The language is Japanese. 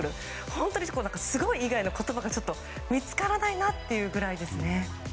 本当に、すごい以外の言葉が見つからないってくらいですね。